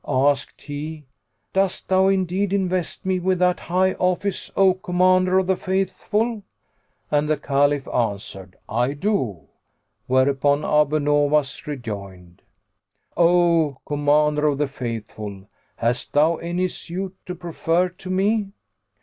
Asked he, "Dost thou indeed invest me with that high office, O Commander of the Faithful?"; and the Caliph answered "I do;" whereupon Abu Nowas rejoined, "O Commander of the Faithful, hast thou any suit to prefer to me?"